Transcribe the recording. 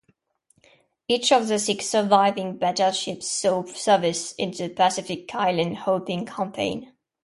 Each of the six surviving battleships saw service in the Pacific island hopping campaign.